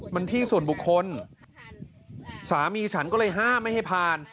มันที่ส่วนบุคคลสามีฉันก็เลยห้ามไม่ให้ผ่าน